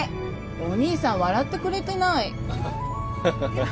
お兄さん笑ってくれてない。ハハハ。